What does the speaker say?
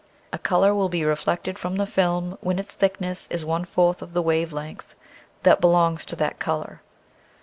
A color will be reflected from the film when its thickness is one fourth of the wave length that belongs to that color.